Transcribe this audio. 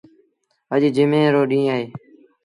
اَڄ جمي رو ڏيٚݩهݩ اهي۔